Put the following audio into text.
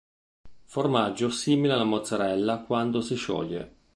Formaggio simile alla mozzarella quando si scioglie.